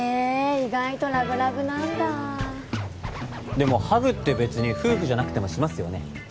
意外とラブラブなんだでもハグって別に夫婦じゃなくてもしますよね